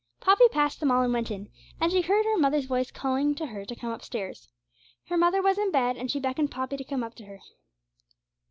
Poppy passed them all and went in, and then she heard her mother's voice calling to her to come upstairs. Her mother was in bed, and she beckoned Poppy to come up to her.